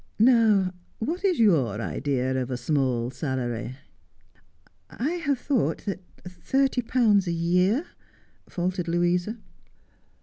Now, what is your idea of a small salary ?'' I have thought that thirty pounds a year ' faltered Louisa.